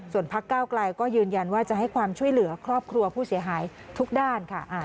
ส่วนพักเก้าไกลก็ยืนยันว่าจะให้ความช่วยเหลือครอบครัวผู้เสียหายทุกด้านค่ะ